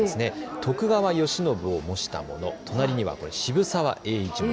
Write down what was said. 徳川慶喜を模したもの、隣には渋沢栄一も。